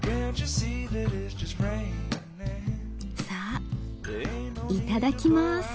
さあいただきます。